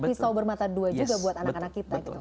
pisau bermata dua juga buat anak anak kita gitu